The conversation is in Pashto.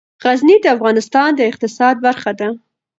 غزني د افغانستان د اقتصاد برخه ده.